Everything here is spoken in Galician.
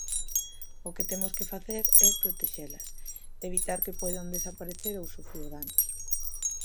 O que temos que facer é protexelas, evitar que poidan desaparecer ou sufrir danos.